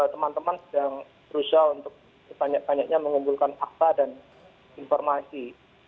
teman teman sedang berusaha untuk sebanyak banyaknya mengumpulkan fakta dan informasi